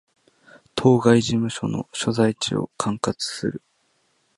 当該事務所の所在地を管轄する